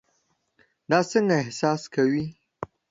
دا څنګه احساس کوي؟